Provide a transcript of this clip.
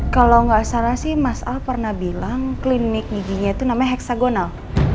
kalau nggak salah sih mas al pernah bilang klinik giginya itu namanya heksagonal